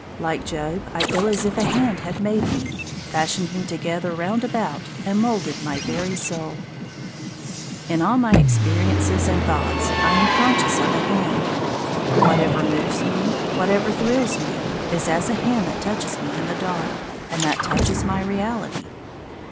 Like Job, I feel as if a hand had made me, fashioned me together round about and moulded my very soul. In all my experiences and thoughts I am conscious of a hand. Whatever moves me, whatever thrills me, is as a hand that touches me in the dark, and that touch is my reality.